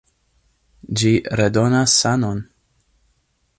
Ĝi redonas sanon!